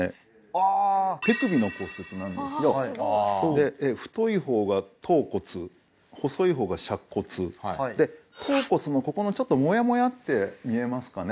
ああ手首の骨折なんですよで太い方が橈骨細い方が尺骨で橈骨のここのちょっとモヤモヤって見えますかね？